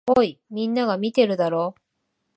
おい、みんなが見てるだろ。